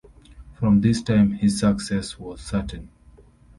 From this time his success was certain.